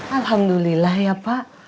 alhamdulillah ya pak